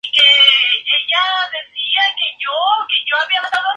Se encuentran realmente fuera de este sector, en el jardín nombrado "jardín del cedro".